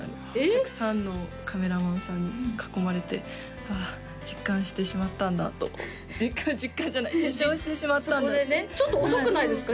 たくさんのカメラマンさんに囲まれて「ああ実感してしまったんだ」と実感じゃない受賞してしまったんだとちょっと遅くないですか？